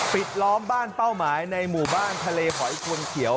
ล้อมบ้านเป้าหมายในหมู่บ้านทะเลหอยควนเขียว